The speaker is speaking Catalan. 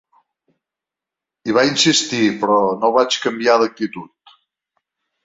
Hi va insistir però no vaig canviar d’actitud.